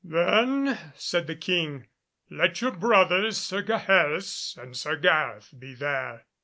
"Then," said the King, "let your brothers Sir Gaheris and Sir Gareth be there."